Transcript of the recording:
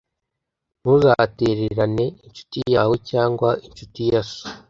Ntuzatererane incuti yawe cyangwa incuti ya so